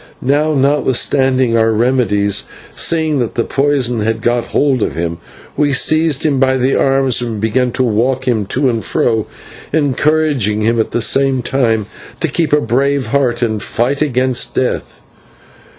Now, notwithstanding our remedies, seeing that the poison had got hold of him, we seized him by the arms and began to walk him to and fro, encouraging him at the same time to keep a brave heart and fight against death.